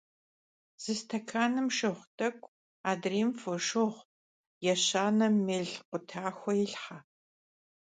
Zı stekanım şşığu t'ek'u, adrêym — foşşığu, yêşanem — mêl khutaxue yilhhe.